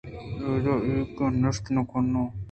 اِدا ایوک ءَ نشت نہ کناں